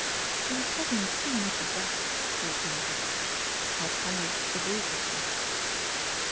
" There was certainly too much of that," thought Margaret. Perhaps Hendrik agreed with her.